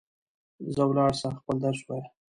ځه ولاړ سه ، خپل درس ووایه